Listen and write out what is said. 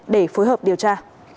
để phối hợp điều tra